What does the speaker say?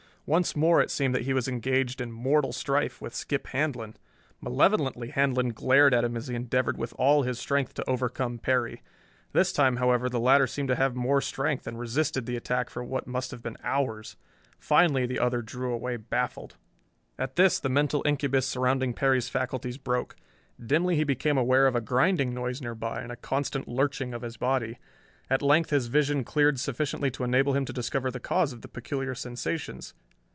Once more it seemed that he was engaged in mortal strife with Skip Handlon. Malevolently Handlon glared at him as he endeavored with all his strength to overcome Perry. This time, however, the latter seemed to have more strength and resisted the attack for what must have been hours. Finally the other drew away baffled. At this the mental incubus surrounding Perry's faculties broke. Dimly he became aware of a grinding noise nearby and a constant lurching of his body. At length his vision cleared sufficiently to enable him to discover the cause of the peculiar sensations.